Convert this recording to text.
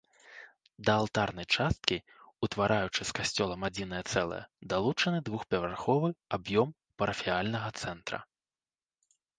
Да алтарнай часткі, утвараючы з касцёлам адзінае цэлае, далучаны двухпавярховы аб'ём парафіяльнага цэнтра.